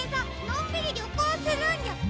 のんびりりょこうするんじゃ？